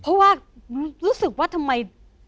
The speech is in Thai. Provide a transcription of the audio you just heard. เพราะว่ารู้สึกว่าทำไม